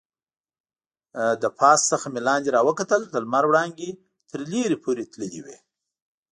له پاس څخه مې لاندې راوکتل، د لمر وړانګې تر لرې پورې تللې وې.